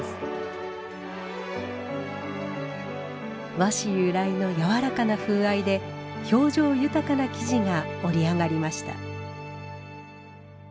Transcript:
和紙由来の柔らかな風合いで表情豊かな生地が織り上がりました。